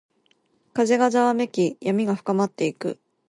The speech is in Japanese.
風がざわめき、闇が深まっていく。